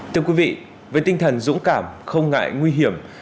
thưa quý vị với tinh thần dũng cảm không ngại nguy hiểm